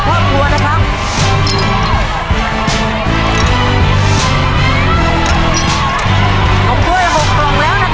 ก็ก็ขึ้นอยู่กับครอบครัวนะครับ